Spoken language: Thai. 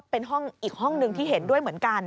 เป็นห้องอีกห้องหนึ่งที่เห็นด้วยเหมือนกัน